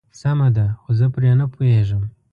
سمه ده خو زه پرې نه پوهيږم.